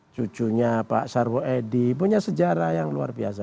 cucunya pak sarwo edi punya sejarah yang luar biasa